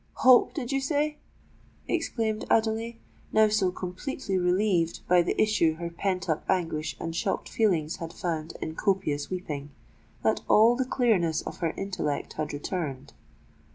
"Hope, did you say?" exclaimed Adelais, now so completely relieved by the issue her pent up anguish and shocked feelings had found in copious weeping, that all the clearness of her intellect had returned.